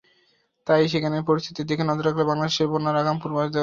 তাই সেখানকার পরিস্থিতির দিকে নজর রাখলে বাংলাদেশে বন্যার আগাম পূর্বাভাস দেওয়া সম্ভব।